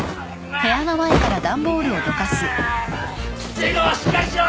知博しっかりしろ！